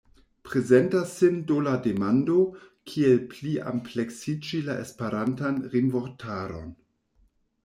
Prezentas sin do la demando, kiel pliampleksiĝi la Esperantan rimvortaron.